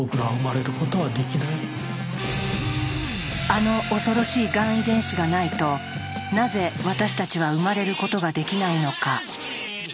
あの恐ろしいがん遺伝子がないとなぜ私たちは生まれることができないのか。